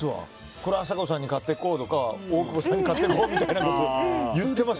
これ、あさこさんに買っていこうとか大久保さんに買っていこうみたいなこと言っています